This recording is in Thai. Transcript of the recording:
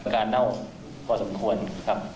การเน่าพอสมควรครับ